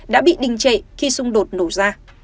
đã bị đình chạy khi xung đột nổ ra